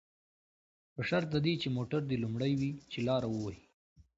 په شرط د دې چې موټر دې لومړی وي، چې لاره ووهي.